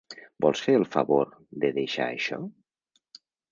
Vols fer el favor de deixar això?